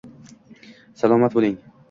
Salomat boʻling.